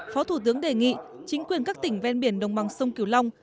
phó thủ tướng đề nghị chính quyền các tỉnh ven biển đồng bằng sông kiều long